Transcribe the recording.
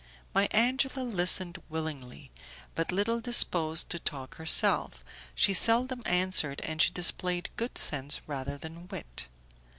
My Angela listened willingly, but little disposed to talk herself, she seldom answered, and she displayed good sense rather than wit.